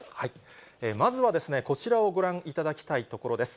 まずは、こちらをご覧いただきたいところです。